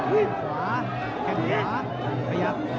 อีกความแก่งจะขยับ